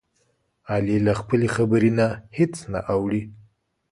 علي له خپلې خبرې نه هېڅ نه اوړوي.